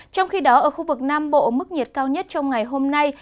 trong khi đó ở khu vực nam bộ mức nhiệt cao nhất trong ngày hôm nay